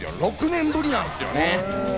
６年ぶりなんすよね。